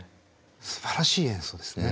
すばらしい演奏ですね。